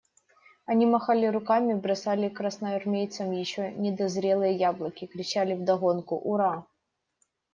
Они махали руками, бросали красноармейцам еще недозрелые яблоки, кричали вдогонку «ура».